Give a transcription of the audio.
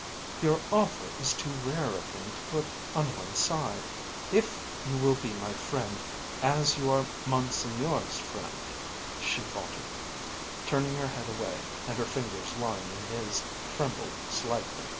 "Your offer is too rare a thing to put on one side. If you will be my friend, as you are Monseigneur's friend " she faltered, turning her head away, and her fingers lying in his trembled slightly.